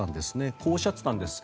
こうおっしゃっていたんです。